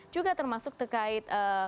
juga termasuk terkait sektor ekspor importasi